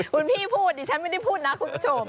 คุณพี่พูดเนี่ย